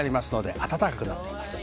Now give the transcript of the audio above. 暖かくなっています。